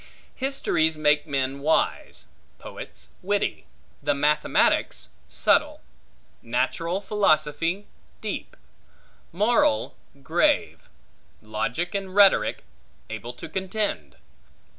Histories make men wise; poets witty; the mathematics subtile; natural philosophy deep; moral grave; logic and rhetoric able to contend.